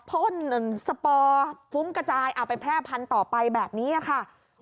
พ่นสปอร์ฟุ้งกระจายเอาไปแพร่พันธุ์ต่อไปแบบนี้ค่ะ